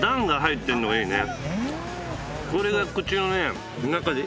これが口の中で。